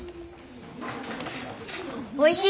おいしい！